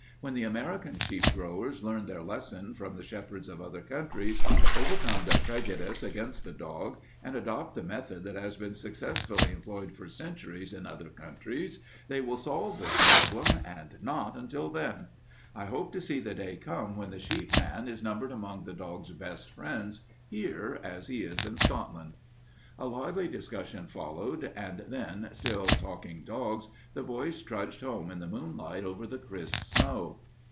When the American sheep growers learn their lesson from the shepherds of other countries, overcome their prejudice against the dog, and adopt the method that has been successfully employed for centuries in other countries, they will solve this problem, and not until then. I hope to see the day come when the sheep man is numbered among the dog's best friends here as he is in Scotland." A lively discussion followed, and then, still talking dogs, the boys trudged home in the moonlight, over the crisp snow.